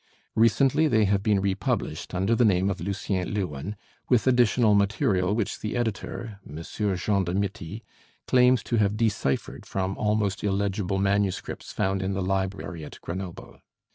Recently they have been republished, under the name of 'Lucien Leuwen,' with additional material which the editor, M. Jean de Mitty, claims to have deciphered from almost illegible manuscripts found in the library at Grenoble.